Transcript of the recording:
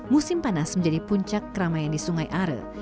musim panas menjadi puncak keramaian di sungai are